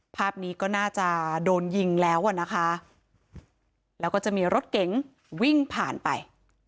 ภาพนี้ก็น่าจะโดนยิงแล้วอ่ะนะคะแล้วก็จะมีรถเก๋งวิ่งผ่านไป